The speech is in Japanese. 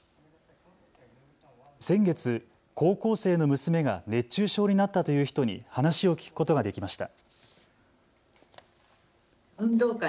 先月、高校生の娘が熱中症になったという人に話を聞くことができました。